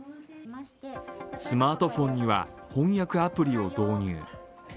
スマートフォンには翻訳アプリを導入。